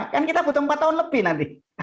kan kita butuh empat tahun lebih nanti